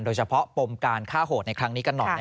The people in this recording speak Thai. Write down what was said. โดยเฉพาะปมการฆ่าโหดในครั้งนี้กันหน่อย